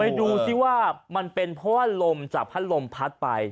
ดูสิว่ามันเป็นเพราะว่าลมจากพัดลมพัดไป